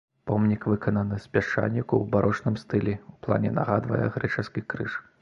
Помнік выкананы з пясчаніку ў барочным стылі, у плане нагадвае грэчаскі крыж.